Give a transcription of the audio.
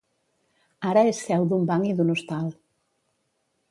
Ara és seu d'un banc i d'un hostal.